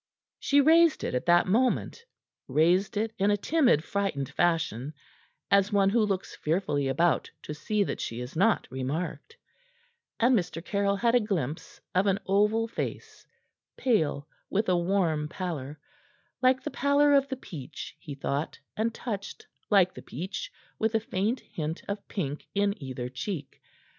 She raised it at that moment raised it in a timid, frightened fashion, as one who looks fearfully about to see that she is not remarked and Mr. Caryll had a glimpse of an oval face, pale with a warm pallor like the pallor of the peach, he thought, and touched, like the peach, with a faint hint of pink in either cheek.